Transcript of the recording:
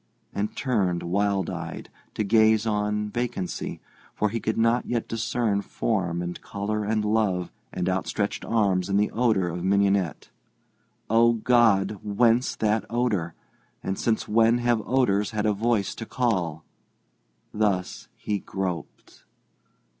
and turned, wild eyed, to gaze on vacancy, for he could not yet discern form and colour and love and outstretched arms in the odour of mignonette. Oh, God! whence that odour, and since when have odours had a voice to call? Thus he groped.